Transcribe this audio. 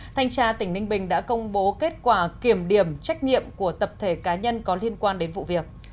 thanh tra tỉnh ninh bình đã công bố kết quả kiểm điểm trách nhiệm của tập thể cá nhân có liên quan đến vụ việc